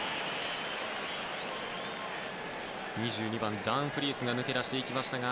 ２２番、ダンフリースが抜け出していきましたが。